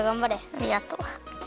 ありがとう。